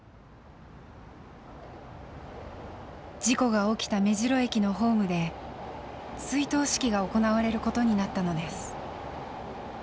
事故が起きた目白駅のホームで追悼式が行われることになったのです。